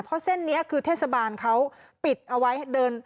เพราะเส้นนี้คือเทศบาลเขาปิดเอาไว้เดิน